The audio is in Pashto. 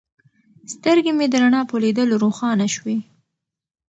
سترګې مې د رڼا په لیدلو روښانه شوې.